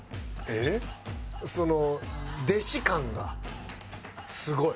その弟子感がすごい。